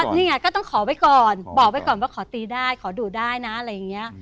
นี่ไงก็ต้องขอไว้ก่อนบอกไว้ก่อนว่าขอตีได้ขอดูได้นะอะไรอย่างนี้